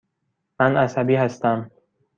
من عصبی هستم.